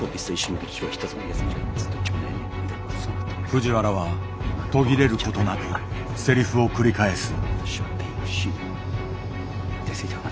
藤原は途切れることなく台詞を繰り返す。